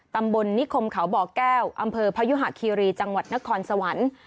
ตำบลนิคมเขาบ่อแก้วอำเภอพยุหะคีรีจังหวัดนครสวรรค์